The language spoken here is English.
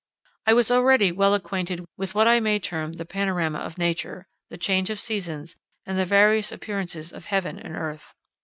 I was already well acquainted with what I may term the panorama of nature, the change of seasons, and the various appearances of heaven and earth.